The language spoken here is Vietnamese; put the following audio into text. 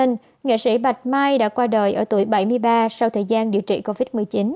nghệ sĩ bạch mai đã qua đời ở tuổi bảy mươi ba sau thời gian điều trị covid một mươi chín